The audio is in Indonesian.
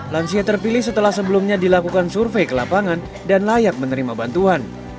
lansia terpilih setelah sebelumnya dilakukan survei ke lapangan dan layak menerima bantuan